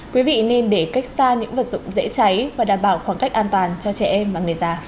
quý vị nên để cách xa những vật dụng dễ cháy và đảm bảo khoảng cách an toàn cho trẻ em và người già